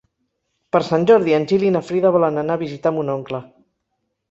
Per Sant Jordi en Gil i na Frida volen anar a visitar mon oncle.